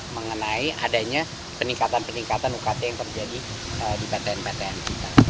mengenai adanya peningkatan peningkatan ukt yang terjadi di ptn ptn kita